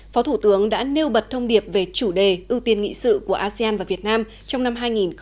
phó thủ tướng đã nêu bật thông điệp về chủ đề ưu tiên nghị sự của asean và việt nam trong năm hai nghìn hai mươi